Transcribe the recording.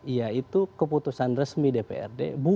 yaitu keputusan resmi dprd